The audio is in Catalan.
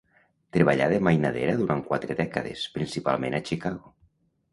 Treballà de mainadera durant quatre dècades, principalment a Chicago.